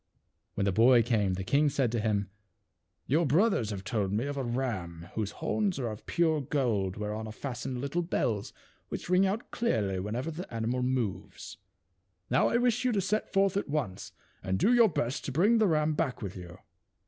When the boy came the king said to him, " Your brothers have told me of a ram whose horns are of pure gold whereon are fastened little bells which ring out clearly whenever the animal 246 THE WITCH'S TREASURES. moves. Now, I wish you to set forth at once and do your best to bring the ram back with you.